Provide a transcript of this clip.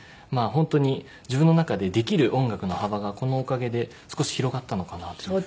本当に自分の中でできる音楽の幅がこのおかげで少し広がったのかなという風に。